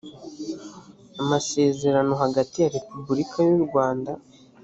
amasezerano hagati ya repubulika y’urwanda